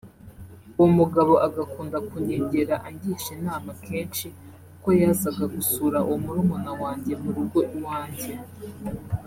uwo mugabo agakunda kunyegera angisha inama kenshi kuko yazaga gusura uwo murumuna wanjye mu rugo iwanjye